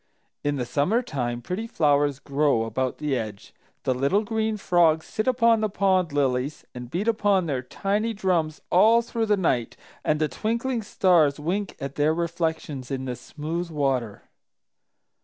"In the summer time pretty flowers grow about the edge, the little green frogs sit upon the pond lilies and beat upon their tiny drums all through the night, and the twinkling stars wink at their reflections in the smooth water.